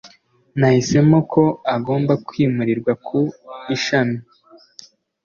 Nahisemo ko agomba kwimurirwa ku ishami